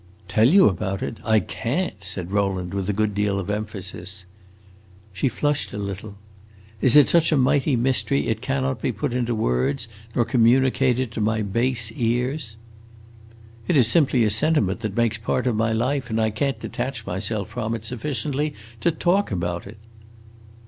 "Tell you about it? I can't!" said Rowland, with a good deal of emphasis. She flushed a little. "Is it such a mighty mystery it cannot be put into words, nor communicated to my base ears?" "It is simply a sentiment that makes part of my life, and I can't detach myself from it sufficiently to talk about it."